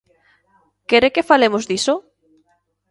¿Quere que falemos diso?